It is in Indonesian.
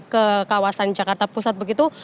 ke kawasan jakarta pusat begitu